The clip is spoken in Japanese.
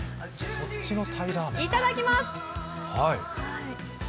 いただきまーす。